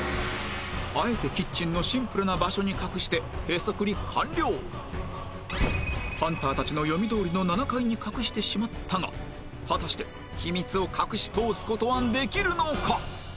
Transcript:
あえてキッチンのシンプルな場所に隠してハンターたちの読みどおりの７階に隠してしまったが果たして秘密を隠し通す事はできるのか！？